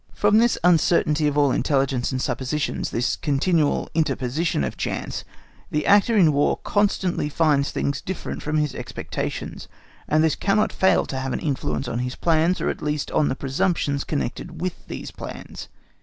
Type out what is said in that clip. From this uncertainty of all intelligence and suppositions, this continual interposition of chance, the actor in War constantly finds things different from his expectations; and this cannot fail to have an influence on his plans, or at least on the presumptions connected with these plans.